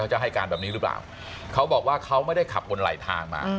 จะให้การแบบนี้หรือเปล่าเขาบอกว่าเขาไม่ได้ขับบนไหลทางมา